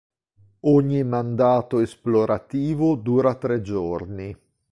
Ogni mandato esplorativo dura tre giorni.